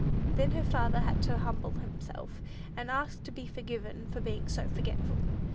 Then her father had to humble himself, and ask to be forgiven for being so forgetful.